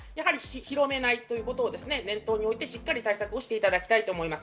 広めないということを念頭に置いて、しっかり対策をしていただきたいと思います。